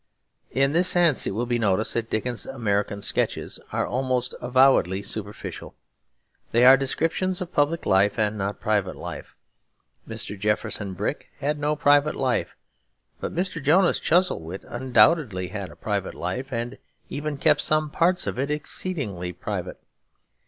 In this sense it will be noticed that Dickens's American sketches are almost avowedly superficial; they are descriptions of public life and not private life. Mr. Jefferson Brick had no private life. But Mr. Jonas Chuzzlewit undoubtedly had a private life; and even kept some parts of it exceeding private.